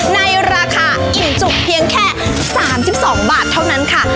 ในราคาอิ่มจุกเพียงแค่๓๒บาทเท่านั้นค่ะ